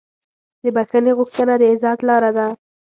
د بښنې غوښتنه د عزت لاره ده.